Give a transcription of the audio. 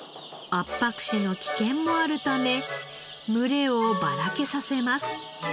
圧迫死の危険もあるため群れをばらけさせます。